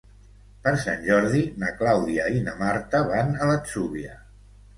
Per Sant Jordi na Clàudia i na Marta van a l'Atzúbia.